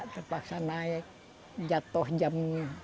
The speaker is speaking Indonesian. terpaksa naik jatuh jam